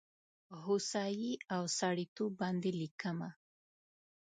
هوسايي او سړیتوب باندې لیکمه